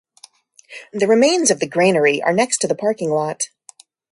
The remains of the granary are next to the parking lot.